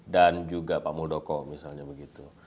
dan juga pak muldoko misalnya begitu